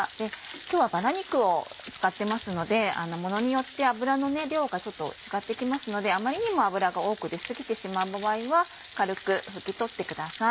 今日はバラ肉を使ってますのでものによって脂の量が違ってきますのであまりにも脂が多く出過ぎてしまった場合は軽く拭き取ってください。